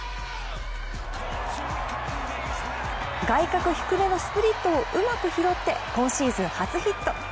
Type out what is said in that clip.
外角低めのスプリットをうまく拾って今シーズン初ヒット。